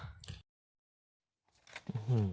อืม